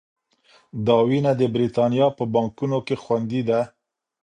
دا وینه د بریتانیا په بانکونو کې خوندي ده.